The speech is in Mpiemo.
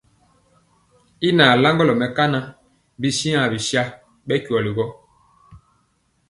Y nalaŋgɔlɔ mɛkana bityiaŋ bisa bɛ kweli gɔ.